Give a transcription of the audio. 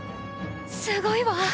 「すごいわ」。